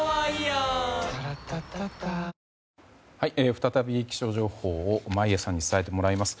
再び気象情報を眞家さんに伝えてもらいます。